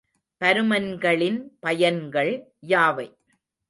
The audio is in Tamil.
பருமன்களின் பயன்கள் யாவை?